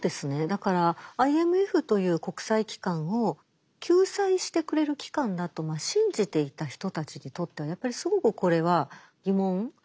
だからＩＭＦという国際機関を救済してくれる機関だと信じていた人たちにとってはやっぱりすごくこれは疑問。